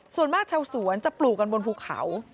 ส่วนมากชาวสวนจะปลูกกันบนภูเขา